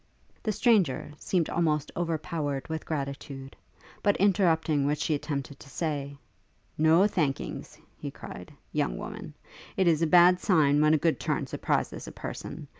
The stranger seemed almost overpowered with gratitude; but interrupting what she attempted to say, 'No thankings,' he cried, 'young woman! it's a bad sign when a good turn surprises a person.